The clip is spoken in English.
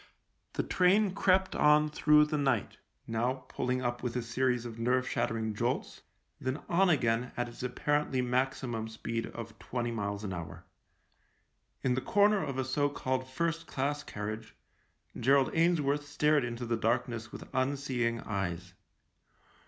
The train crept on through the night — now pulling up with a series of nerve shattering jolts, then on again at its apparently maxi mum speed of twenty miles an hour. In the corner of a so called first class carriage Gerald Ainsworth stared into the darkness with unseeing eyes.